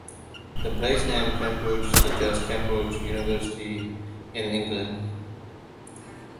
The place name Cambridge suggests Cambridge University in England.